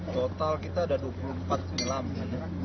total kita ada dua puluh empat penyelam